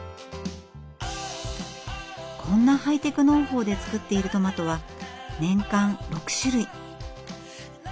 こんなハイテク農法で作っているトマトは年間６種類。